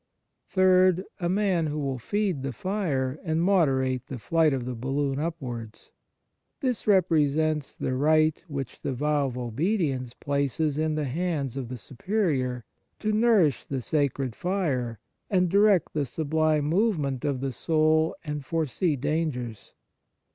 Third, a man who will feed the fire and moderate the flight of the balloon upwards. This represents the right which the vow of obedience places in the hands of the Superior, to nourish the sacred fire, and direct the sublime movement of the soul and foresee dangers.